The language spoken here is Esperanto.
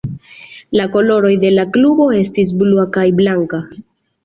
La koloroj de la klubo estis blua kaj blanka.